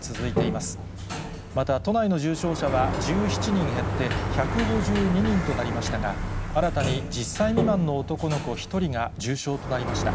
また都内の重症者は１７人減って１５２人となりましたが、新たに１０歳未満の男の子１人が重症となりました。